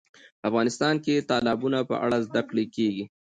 افغانستان کې د تالابونه په اړه زده کړه کېږي.